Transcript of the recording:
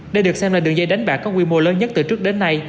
đây được xem là đường dây đánh bạc có quy mô lớn nhất từ trước đến nay